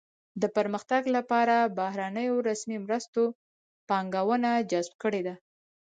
د پرمختګ لپاره بهرنیو رسمي مرستو پانګونه جذب کړې ده.